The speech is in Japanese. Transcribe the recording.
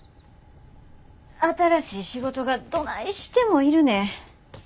新しい仕事がどないしても要るねん。